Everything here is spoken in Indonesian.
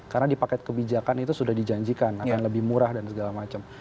karena di paket kebijakan itu sudah dijanjikan akan lebih murah dan segala macam